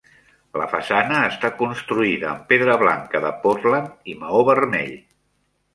La façana està construïda amb pedra blanca de Portland i maó vermell.